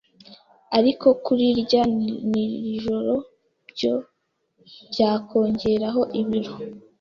ariko kurirya nijoro byo byakongerera ibiro